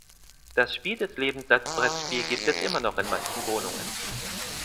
Das Spiel des Lebens als Brettspiel gibt es immernoch in manchen Wohnungen.